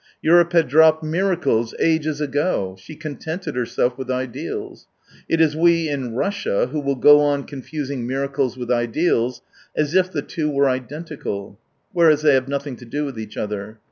Europe had dropped miracles ages ago ; she contented herself with ideals. It is we in Russia who will go on confusing miracles with ideals, as if the two were identical, whereas they have nothing to do with each other.